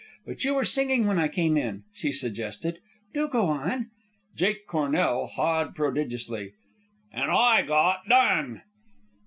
But you were singing when I came in," she suggested. "Do go on." Jake Cornell hawed prodigiously. "And I got done."